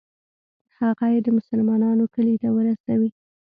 هغه یې د مسلمانانو کلي ته ورسوي.